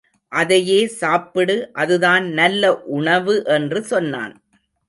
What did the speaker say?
அதையே சாப்பிடு அதுதான் நல்ல உணவு என்று சொன்னான்.